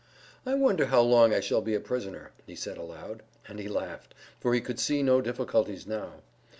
"I wonder how long I shall be a prisoner," he said aloud; and he laughed, for he could see no difficulties now.